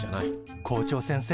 校長先生